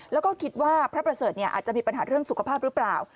แล้วก็คิดว่าพระประเสริฐอาจจะมีปัญหาเรื่องสุขภาพหรือเปล่า